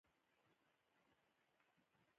جالبه ده چې ته زما هره رومانتیکه خبره په ټوکه اړوې